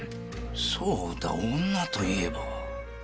そうだ女といえば。